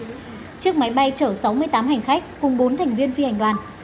trước đó chiếc máy bay chở sáu mươi tám hành khách cùng bốn thành viên phi hành đoàn